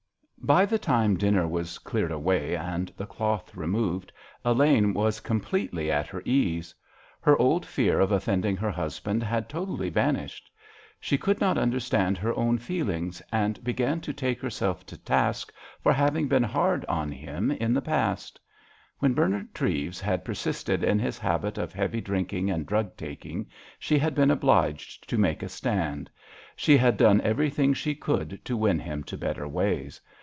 By the time dinner was cleared away and the cloth removed, Elaine was completely at her ease. Her old fear of offending her husband had totally vanished. She could not understand her own feelings and began to take herself to task for having been hard with him in the past. When Bernard Treves had persisted in his habit of heavy drinking and drug taking, she had been obliged to make a stand. She had done everything she could to win him to better ways.